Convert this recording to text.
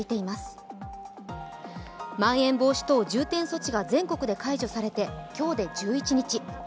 まん延防止等重点措置が全国で解除されて、今日で１１日。